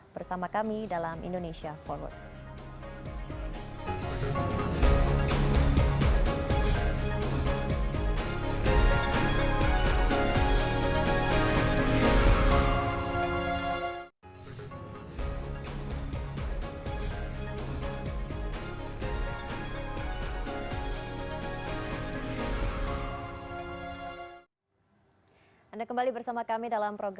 bersama kami dalam indonesia forward